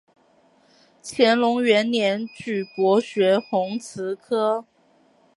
乾隆元年举博学鸿词科。